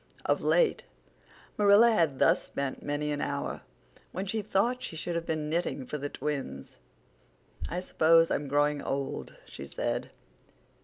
Of late Marilla had thus spent many an hour, when she thought she should have been knitting for the twins. "I suppose I'm growing old," she said.